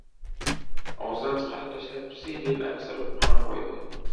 Og‘zidan chiqarib tashlab «psi» deb aksirib ham qo‘ydi.